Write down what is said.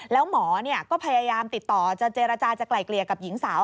แล้วหมอก็พยายามติดต่อจะเจรจาจะไกลเกลี่ยกับหญิงสาว